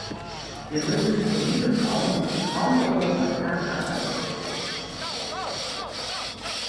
Wir müssen für diese Frauen und die Frauen Europas hart arbeiten.